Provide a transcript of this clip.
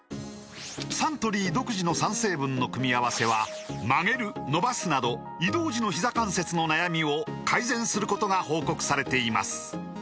サントリー独自の３成分の組み合わせは曲げる伸ばすなど移動時のひざ関節の悩みを改善することが報告されています